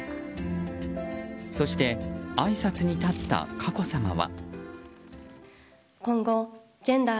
そして、あいさつに立った佳子さまは。